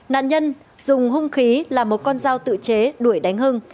nạn nhân dùng hung khí là một con dao tự chế đuổi đánh hưng